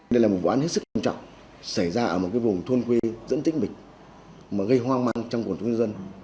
đây là một vụ án rất quan trọng xảy ra ở một vùng thôn khuy dẫn tích mịch mà gây hoang mang trong quần thôn dân